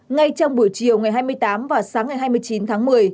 ngay trong buổi chiều ngày hai mươi tám và sáng ngày hai mươi chín tháng một mươi